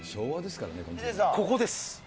ここです。